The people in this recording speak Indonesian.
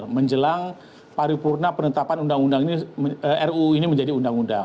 menjelang paripurna penetapan undang undang ini ruu ini menjadi undang undang